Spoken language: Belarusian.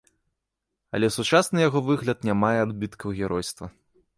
Але сучасны яго выгляд не мае адбіткаў геройства.